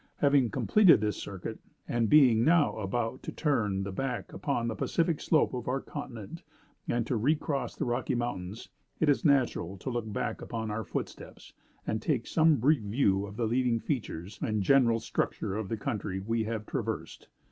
Having completed this circuit, and being now about to turn the back upon the Pacific slope of our continent, and to recross the Rocky Mountains, it is natural to look back upon our footsteps, and take some brief view of the leading features and general structure of the country we have traversed.